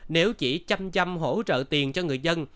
nếu chỉ chăm hỗ trợ tiền cho người dân